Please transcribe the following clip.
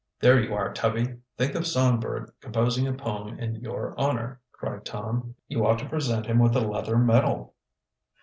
"There you are, Tubby; think of Songbird composing a poem in your honor," cried Tom. "You ought to present him with a leather medal."